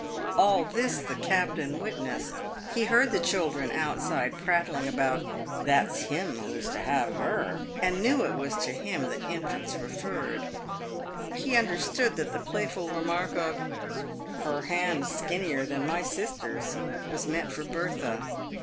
AH this the captain witnessed. He heard the children outside prattling about " That's him who's to have her," and knew it was to him the infants referred. He understood that the playful remark of " Her hand's skinnier than my sister's," was meant for Bertha.